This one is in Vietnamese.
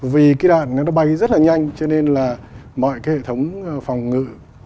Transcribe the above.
vì cái đạn nó bay rất là nhanh cho nên là mọi cái hệ thống phòng ngự